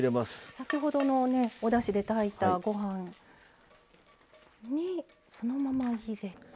先ほどのおだしで炊いたご飯にそのまま入れて。